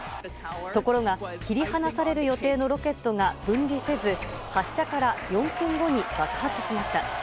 ところが切り離される予定のロケットが分離せず発射から４分後に爆発しました。